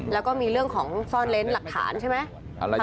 แล้วก็มีเรื่องของซ่อนเล้นหลักฐานใช่ไหม